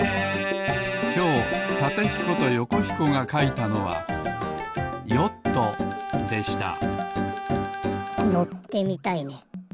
今日タテひことヨコひこがかいたのはヨットでしたのってみたいね。